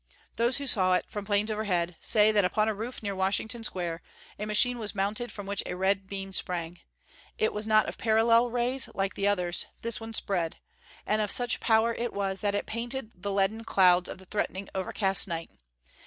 Those who saw it, from planes overhead, say that upon a roof near Washington Square a machine was mounted from which a red beam sprang. It was not of parallel rays, like the others; this one spread. And of such power it was, that it painted the leaden clouds of the threatening, overcast night.